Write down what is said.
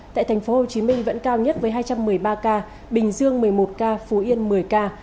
tại tp hcm vẫn cao nhất với hai trăm một mươi ba ca bình dương một mươi một ca phú yên một mươi ca